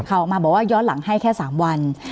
ออกมาบอกว่าย้อนหลังให้แค่๓วัน